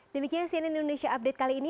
demikian cnn indonesia update kali ini